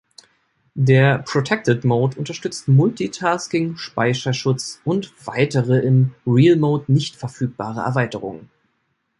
Der Protected Mode unterstützte Multitasking, Speicherschutz und weitere, im Real Mode nicht verfügbare Erweiterungen.